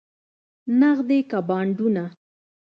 نغدې که بانډونه؟